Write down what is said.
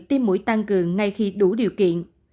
tiêm mũi tăng cường ngay khi đủ điều kiện